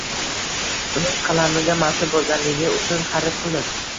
Uning qalamiga mansub bo’lganligi uchun xarid qildim.